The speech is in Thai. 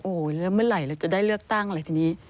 โอ้โหแล้วเมื่อไหร่เราจะได้เลือกตั้งเลยทีนี้